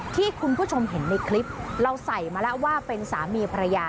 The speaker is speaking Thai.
ที่คุณผู้ชมเห็นในคลิปเราใส่มาแล้วว่าเป็นสามีภรรยา